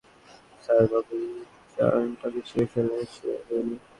তবে ইংল্যান্ডের সর্বোচ্চ গোলদাতা স্যার ববি চার্লটনকে ছুঁয়ে ফেললেন ওয়েইন রুনি।